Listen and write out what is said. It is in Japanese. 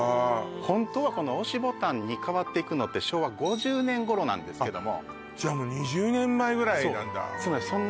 ホントはこの押しボタンに変わっていくのって昭和５０年頃なんですけどもじゃあもう２０年前ぐらいなんだそうなんです